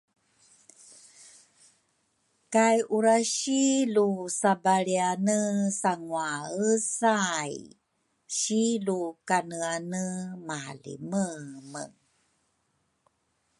kay urasi lu sabaliane sanguaesai si lu kaneane malimeme.